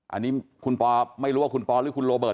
อันนี้คุณปอไม่รู้ว่าคุณปอหรือคุณโรเบิร์